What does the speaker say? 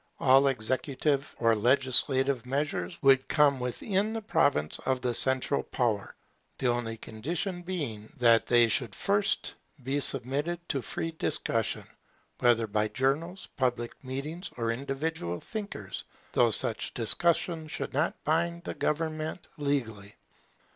All executive or legislative measures would come within the province of the central power; the only condition being that they should first be submitted to free discussion, whether by journals, public meetings, or individual thinkers, though such discussion should not bind the government legally.